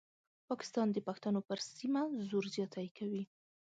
پاکستان د پښتنو پر سیمه زور زیاتی کوي.